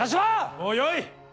もうよい！